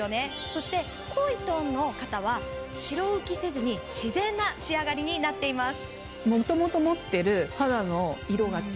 そして濃いトーンの方は白浮きせずに自然な仕上がりになっています。